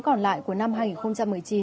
còn lại của năm hai nghìn một mươi chín